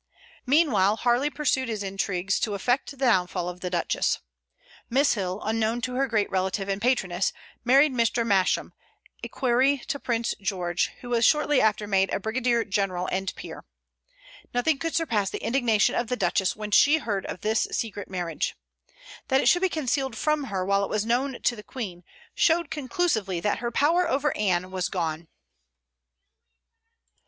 Meanwhile Harley pursued his intrigues to effect the downfall of the Duchess. Miss Hill, unknown to her great relative and patroness, married Mr. Masham, equerry to Prince George, who was shortly after made a brigadier general and peer. Nothing could surpass the indignation of the Duchess when she heard of this secret marriage. That it should be concealed from her while it was known to the Queen, showed conclusively that her power over Anne was gone.